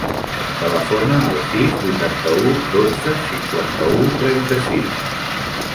Telefona al sis, vuitanta-u, dotze, cinquanta-u, trenta-sis.